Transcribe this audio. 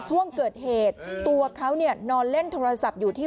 ช่วงเกิดเหตุตัวเขานอนเล่นโทรศัพท์อยู่ที่